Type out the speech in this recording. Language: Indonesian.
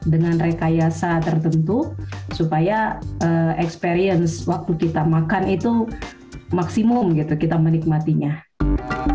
dengan rekayasa tertentu supaya experience waktu kita makan itu maksimum gitu kita menikmatinya